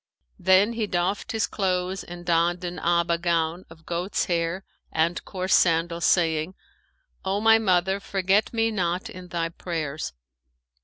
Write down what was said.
Then he doffed his clothes and donned an Aba gown of goat's hair and coarse sandals, saying, 'O my mother, forget me not in thy prayers.'